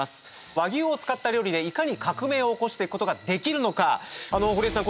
和牛を使った料理でいかに革命を起こしていくことができるのか堀江さん